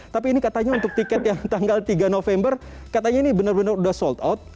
tapi ini katanya untuk tiket yang tanggal tiga november katanya ini benar benar sudah sold out